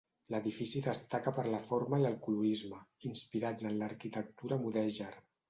L’edifici destaca per la forma i el colorisme, inspirats en l’arquitectura mudèjar.